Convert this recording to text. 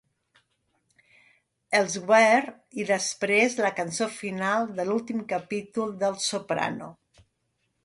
"Elsewehere", i després, la cançó final de l'últim capítol de "Els Soprano".